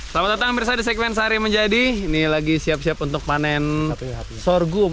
selamat datang mirsa di segmen sehari menjadi ini lagi siap siap untuk panen sorghum